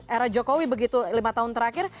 era jokowi begitu lima tahun terakhir